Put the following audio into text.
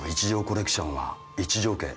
コレクションは一条家